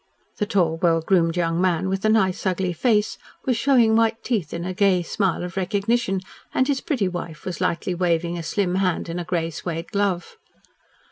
The tall, well groomed young man, with the nice, ugly face, was showing white teeth in a gay smile of recognition, and his pretty wife was lightly waving a slim hand in a grey suede glove.